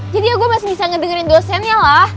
jadi ya gue masih bisa ngedengerin dosennya lah